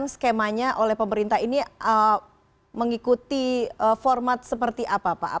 saya terima kasih seperti itu